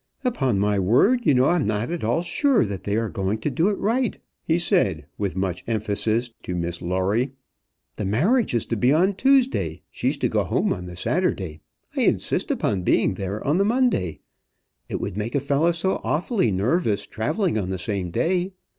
"Upon my word, you know I'm not at all sure that they are going to do it right," he said with much emphasis to Miss Lawrie. "The marriage is to be on Tuesday. She's to go home on the Saturday. I insist upon being there on the Monday. It would make a fellow so awfully nervous travelling on the same day.